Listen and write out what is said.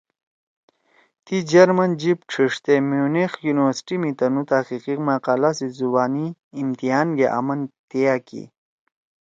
تی جرمن جیِب ڇھیِڙتے میونیخ یونیورسٹی می تنُو تحقیقی مقالہ سی زبانی امتحان گے آمن تیا کی۔